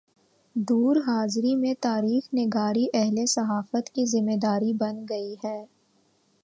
دور حاضر میں تاریخ نگاری اہل صحافت کی ذمہ داری بن گئی ہے۔